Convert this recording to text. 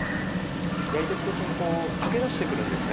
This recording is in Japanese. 焼いてる途中に溶け出してくるんですね。